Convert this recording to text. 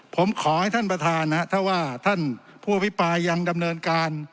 ผมขอให้ท่านประธานนะถ้าว่าท่านผู้อภิปรายยังดำเนินการ